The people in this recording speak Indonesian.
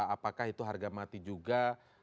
apakah itu harga mati juga